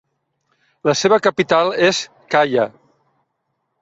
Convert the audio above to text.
La seva capital és Kaya.